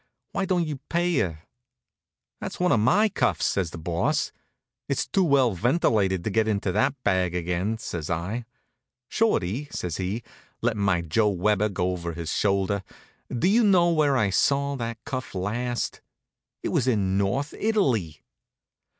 Why don't you pay her?" "That's one of my cuffs," says the Boss. "It's too well ventilated to get into the bag again," says I. "Shorty," says he, lettin' my Joe Weber go over his shoulder, "do you know where I saw that cuff last? It was in North Italy!"